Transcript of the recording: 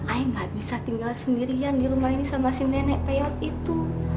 ayah gak bisa tinggal sendirian di rumah ini sama si nenek peyot itu